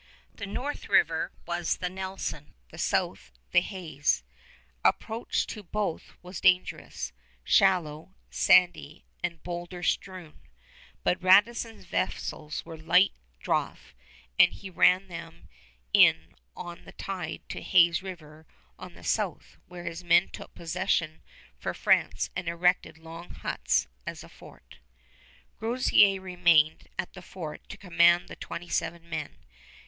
The north river was the Nelson; the south, the Hayes. Approach to both was dangerous, shallow, sandy, and bowlder strewn; but Radisson's vessels were light draught, and he ran them in on the tide to Hayes River on the south, where his men took possession for France and erected log huts as a fort. Groseillers remained at the fort to command the twenty seven men.